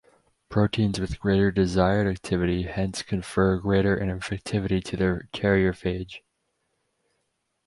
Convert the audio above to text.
Proteins with greater desired activity hence confer greater infectivity to their carrier phage.